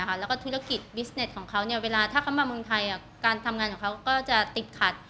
แล้วก็ธุรกิจบิสเน็ตของเขาเวลาถ้าเขามาเมืองไทยการทำงานของเขาก็จะติดขัด